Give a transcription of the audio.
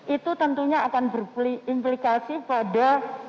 itu tentunya akan berimplikasi pada